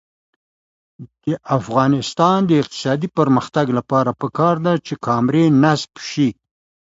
د افغانستان د اقتصادي پرمختګ لپاره پکار ده چې کامرې نصب شي.